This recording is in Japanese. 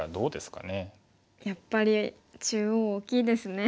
やっぱり中央大きいですね。